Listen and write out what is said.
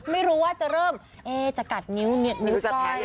ไม่รู้ว่าจะเริ่มจะกัดนิ้วก้อย